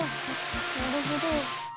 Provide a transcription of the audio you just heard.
なるほど。